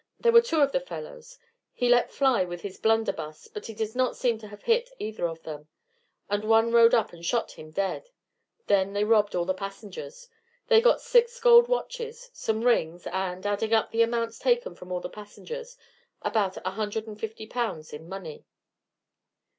There were two of the fellows. He let fly with his blunderbuss, but he does not seem to have hit either of them, and one rode up and shot him dead; then they robbed all the passengers. They got six gold watches, some rings, and, adding up the amounts taken from all the passengers, about a hundred and fifty pounds in money."